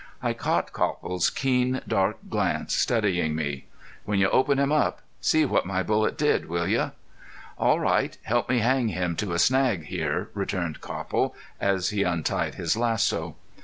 I caught Copple's keen dark glance studying me. "When you open him up see what my bullet did, will you?" "All right. Help me hang him to a snag here," returned Copple, as he untied his lasso.